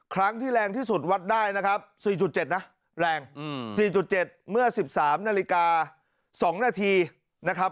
ครั้งที่แรงที่สุดวัดได้นะครับ๔๗นะแรง๔๗เมื่อ๑๓นาฬิกา๒นาทีนะครับ